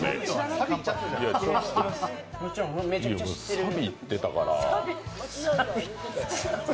サビ、いってたから。